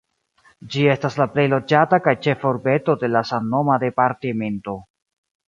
Ĝi estas la plej loĝata kaj ĉefa urbeto de la samnoma departemento.